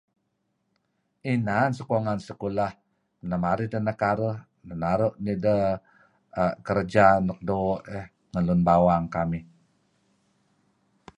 Inan sokongan sekolah, neh marih deh nekaruh, naru' nideh kerja nuk doo' eh ngen lun bawang kamih.